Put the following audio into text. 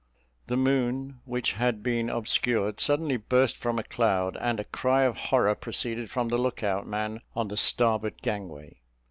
The moon, which had been obscured, suddenly burst from a cloud, and a cry of horror proceeded from the look out man on the starboard gangway.